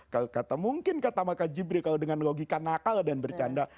kalau kata mungkin kata maka jibri kalau dengan logika nakal dan bercanda